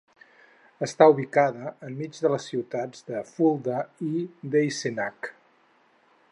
Està ubicada en mig de les ciutats de Fulda i d'Eisenach.